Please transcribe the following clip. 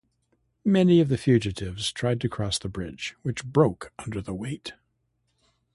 Many of the fugitives tried to cross the bridge, which broke under the weight.